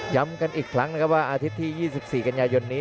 กันอีกครั้งนะครับว่าอาทิตย์ที่๒๔กันยายนนี้